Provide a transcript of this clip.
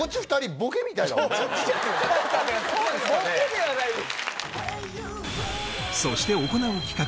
ボケではないです。